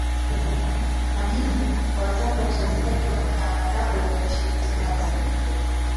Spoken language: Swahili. na hivyo kuwataka wachezaji wake angalao waonyeshe jitihada za pekee